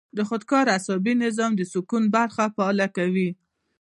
د خودکار اعصابي نظام د سکون برخه فعاله کوي -